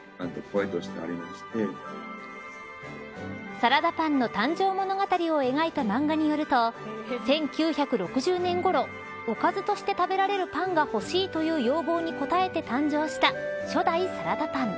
サラダパンの誕生物語を描いた漫画によると１９６０年ごろおかずとして食べられるパンが欲しいという要望に応えて誕生した、初代サラダパン。